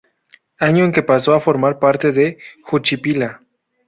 Año en que pasó a formar parte de Juchipila.